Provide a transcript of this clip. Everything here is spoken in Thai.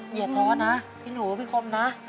อย่าท้อนะพี่หนูพี่คมนะ